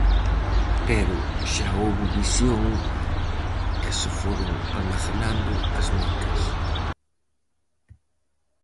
Pero xa houbo visión e se foron almacenando as micas...